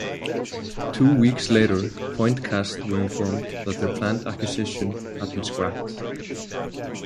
Two weeks later PointCast were informed that their planned acquisition had been scrapped.